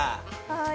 はい。